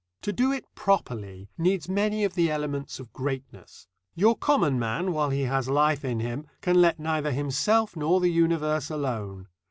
To do it properly needs many of the elements of greatness. Your common man, while he has life in him, can let neither himself nor the universe alone.